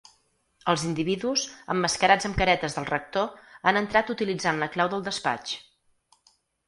Els individus, emmascarats amb caretes del rector, han entrat utilitzant la clau del despatx.